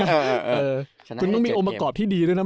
เออคุณต้องมีอมรรคบที่ดีดีดุนะ